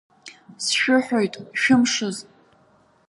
Сшәыҳәоит, шәымшыз!